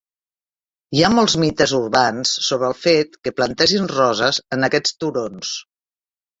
Hi ha molts mites urbans sobre el fet que plantessin roses en aquests turons.